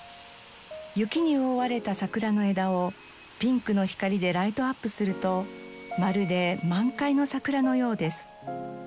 雪に覆われた桜の枝をピンクの光でライトアップするとまるで満開の桜のようです。